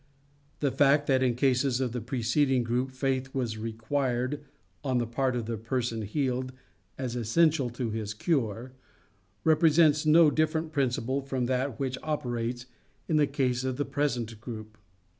The fact that in cases of the preceding group faith was required on the part of the person healed as essential to his cure, represents no different principle from that which operates in the cases of the present group.